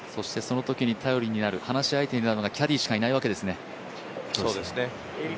そしてそのときに頼りになる、話相手になるのはキャディーしかいないわけですね。